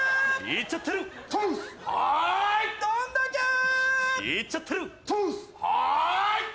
いっちゃってるー。